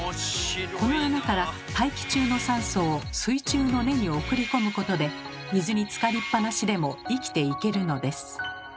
この穴から大気中の酸素を水中の根に送り込むことで水に浸かりっぱなしでも生きていけるのです。